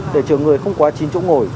để chờ người không quá chín chỗ ngồi